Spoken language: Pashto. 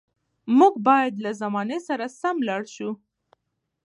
موږ باید له زمانې سره سم لاړ شو.